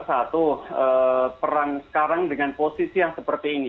satu perang sekarang dengan posisi yang seperti ini